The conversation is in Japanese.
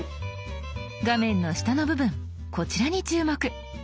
画面の下の部分こちらに注目。